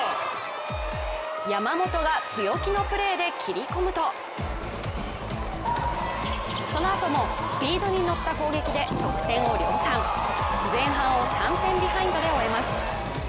山本が強気のプレーで切り込むと、そのあともスピードに乗ったプレーで得点を量産、前半を３点ビハインドで終えます。